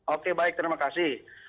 oke baik terima kasih